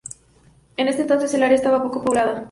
En ese entonces el área estaba poco poblada.